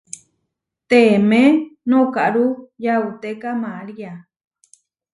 Teemé nokáru yauteka María.